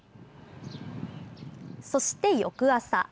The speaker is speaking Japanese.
そして、翌朝。